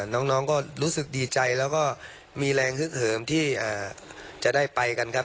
น้องก็รู้สึกดีใจแล้วก็มีแรงฮึกเหิมที่จะได้ไปกันครับ